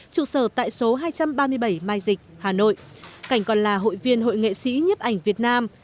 trụ sở tại số hai trăm ba mươi bảy mai dịch hà nội cảnh còn là hội viên hội nghệ sĩ nhiếp ảnh việt nam